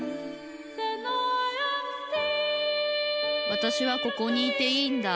わたしはここにいていいんだ